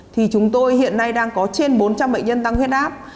thì chúng tôi hiện nay đang có trên bốn trăm linh bệnh nhân tăng huyết áp